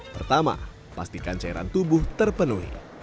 pertama pastikan cairan tubuh terpenuhi